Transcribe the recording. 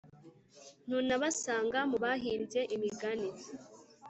ntunabasanga mu bahimbye imigani.